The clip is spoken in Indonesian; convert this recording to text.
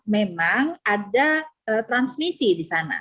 memang ada transmisi di sana